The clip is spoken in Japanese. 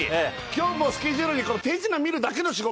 今日スケジュールに。